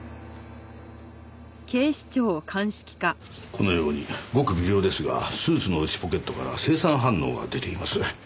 このようにごく微量ですがスーツの内ポケットから青酸反応が出ています。